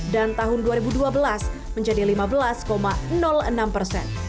dan tahun dua ribu dua belas menjadi lima belas enam persen